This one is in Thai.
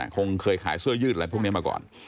คงเคยขายเสื้อยืดอะไรพวกนี้มาก่อน